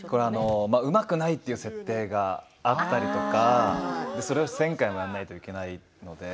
うまくないという設定があったりそれを１０００回やらなくてはいけなかったり